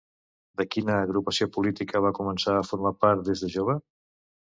De quina agrupació política va començar a formar part des de jove?